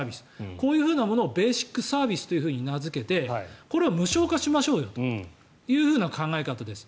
こういうものをベーシックサービスと名付けてこれを無償化しましょうよという考え方です。